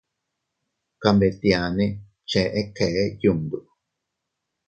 Kanbetianne cheʼe kee yundo.